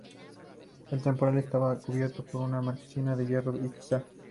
El templete estaba cubierto por una marquesina de hierro y cristal.